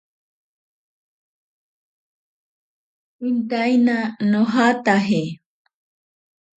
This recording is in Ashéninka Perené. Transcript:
Intaina nojataje.